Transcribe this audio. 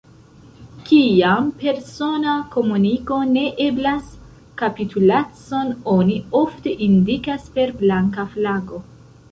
Kiam persona komuniko ne eblas, kapitulacon oni ofte indikas per blanka flago.